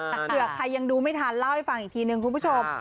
เผื่อใครยังดูไม่ทันเล่าให้ฟังอีกทีนึงคุณผู้ชม